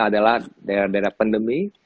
adalah daerah daerah pandemi